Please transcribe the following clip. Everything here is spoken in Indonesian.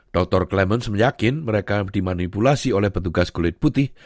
dr clements yakin mereka dimanipulasi oleh petugas kulit putih